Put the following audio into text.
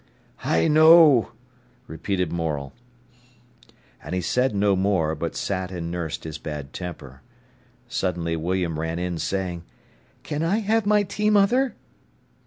"I know," repeated Morel. And he said no more, but sat and nursed his bad temper. Suddenly William ran in, saying: "Can I have my tea, mother?"